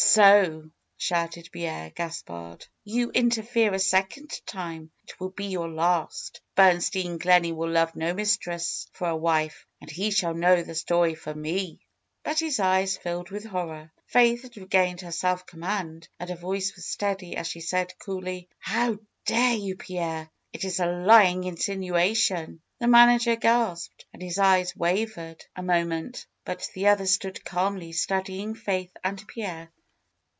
"So!" shouted Pierre Gaspard. "You interfere a second time ! It will be your last. Bernstein Gleney will love no mistress for a wife, and he shall know the story from me." Betty's eyes filled with horror. Faith had regained her self command, and her voice was steady as she said coolly: "How dare you, Pierre ! It is a lying insinuation." The manager gasped, and his eyes wavered a mo 278 FAITH ment. But the other stood calmly studying Faith and Pierre.